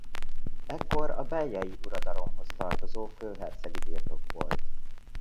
Ekkor a bellyei uradalomhoz tartozó főhercegi birtok volt.